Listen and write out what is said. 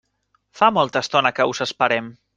Fa molta estona que us esperem.